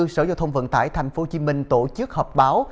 sở giao thông vận tải tp hcm tổ chức họp báo